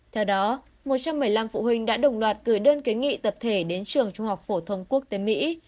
theo đó một trăm một mươi năm phụ huynh đã đồng loạt gửi đơn kiến nghị tập thể đến trường trung học phổ thông quốc tế mỹ